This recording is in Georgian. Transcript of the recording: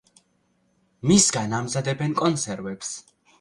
მისგან ამზადებენ კონსერვებს.